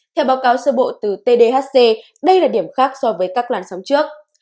theo báo cáo sơ bộ từ thdhc đây là điểm khác so với các làn sóng trước